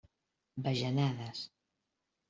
Bajanades.